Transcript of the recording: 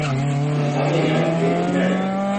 Anastasia Young lebt in Merrick.